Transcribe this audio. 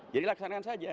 jadi laksanakan saja